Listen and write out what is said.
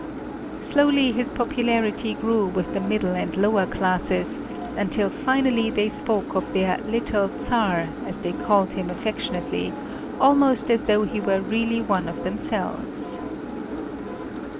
Slowly his popularity grew with the middle and lower classes, until finally they spoke of their "little Czar," as they called him affectionately, almost as though he were really one of themselves.